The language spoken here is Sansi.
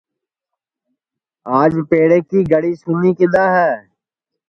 آج پیڑے کی گݪی سُنی کِدؔا ہے